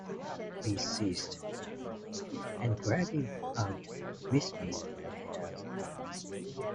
He ceased, and, grabbing out, missed me by a hair's breadth.